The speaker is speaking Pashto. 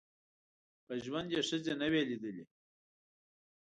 په ژوند یې ښځي نه وې لیدلي